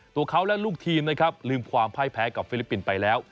ตัวเขาและลูกทีมนะครับลืมความพ่ายแพ้กับฟิลิปปินส์ไปแล้ว